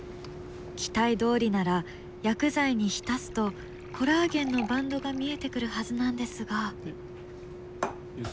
期待どおりなら薬剤に浸すとコラーゲンのバンドが見えてくるはずなんですが。